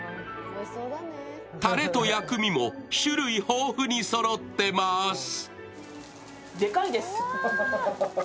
たれと薬味も種類豊富にそろっています。